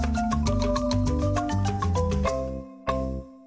はい。